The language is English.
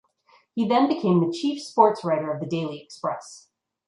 He then became the Chief Sportswriter of the Daily Express.